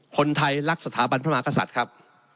คนไทยรักสถาบันพระมหากษัตริย์ครับ